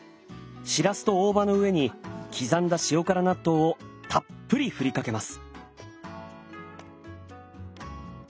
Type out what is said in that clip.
しらすと大葉の上に刻んだ塩辛納豆をたっぷり振りかけます。